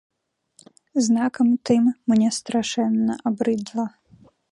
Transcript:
Знакам тым, мне страшэнна абрыдла.